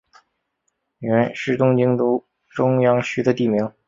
佃是东京都中央区的地名。